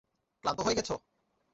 ক্লান্ত হয়ে গেছো?